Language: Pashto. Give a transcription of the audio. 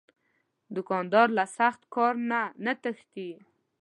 دوکاندار له سخت کار نه نه تښتي.